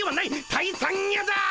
「退散や」だ！